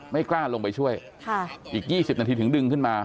ไม่กล้าลงไปช่วยอีก๒๐นาทีถึงดึงขึ้นมา